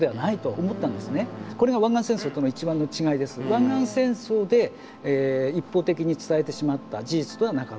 湾岸戦争で一方的に伝えてしまった事実ではなかった。